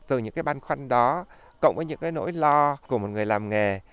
từ những ban khoăn đó cộng với những nỗi lo của một người làm nghề